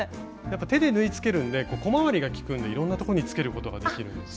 手で縫いつけるんで小回りが利くんでいろんなとこにつけることができるんです。